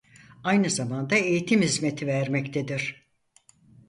Aynı zamanda eğitim hizmeti vermektedir.